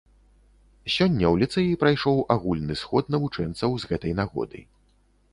Сёння ў ліцэі прайшоў агульны сход навучэнцаў з гэтай нагоды.